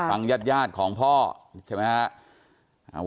ฟังญาติยาติของพ่อใช่ไหมครับ